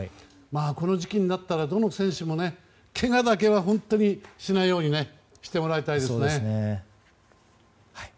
この時期になったらどの選手もけがだけは本当にしないようにしてもらいたいですね。